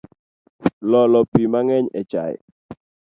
Iolo pii mangeny e chai